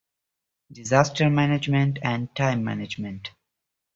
Sansum; and the captain's clerk.